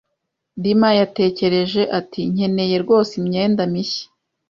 Dima yatekereje ati: "Nkeneye rwose imyenda mishya."